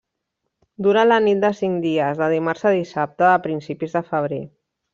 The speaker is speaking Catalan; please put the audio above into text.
Dura la nit de cinc dies, de dimarts a dissabte de principis de febrer.